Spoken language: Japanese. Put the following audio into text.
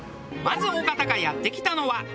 まず尾形がやって来たのは。